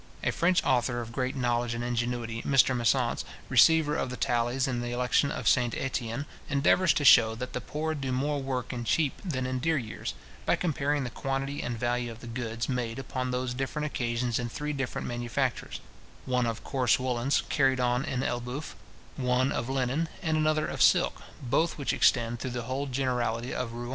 A French author of great knowledge and ingenuity, Mr Messance, receiver of the tallies in the election of St Etienne, endeavours to shew that the poor do more work in cheap than in dear years, by comparing the quantity and value of the goods made upon those different occasions in three different manufactures; one of coarse woollens, carried on at Elbeuf; one of linen, and another of silk, both which extend through the whole generality of Rouen.